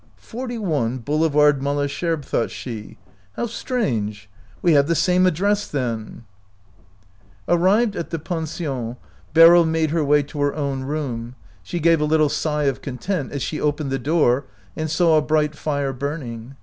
" Forty one Boulevard Malesherbes," thought she. "How strange ! We have the same address, then." 41 OUT OF BOHEMIA Arrived at the pension, Beryl made her way to her own room. She gave a little sigh of content as she opened the door and saw a bright fire burning.